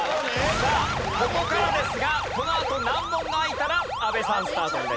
さあここからですがこのあと難問が開いたら阿部さんスタートになります。